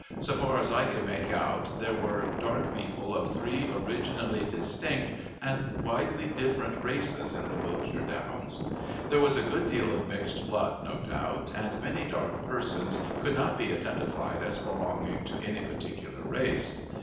So far as I could make out there were dark people of three originally distinct and widely different races in the Wiltshire Downs. There was a good deal of mixed blood, no doubt, and many dark persons could not be identified as belonging to any particular race.